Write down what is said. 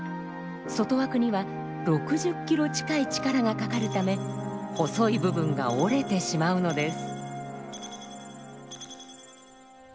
外枠には６０キロ近い力がかかるため細い部分が折れてしまうのです。